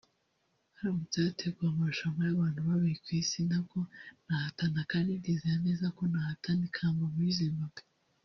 Haramutse hateguwe amarushanwa y’abantu babi ku isi nabwo nahatana kandi ndizera neza ko natahana ikamba muri Zimbabwe